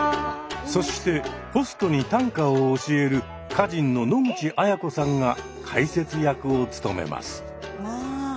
そしてホストに短歌を教える歌人の野口あや子さんが解説役を務めます。